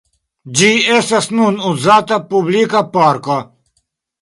Ĝi estas nun uzata publika parko.